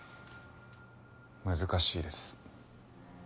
難しいです。